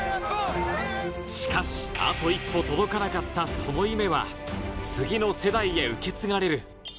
しかし、あと一歩届かなかったその夢は、次の世代へ受け継がれる。